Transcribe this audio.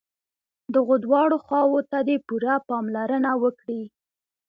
دغو دواړو خواوو ته دې پوره پاملرنه وکړي.